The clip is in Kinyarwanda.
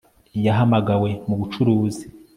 Yahamagawe mu bucuruzi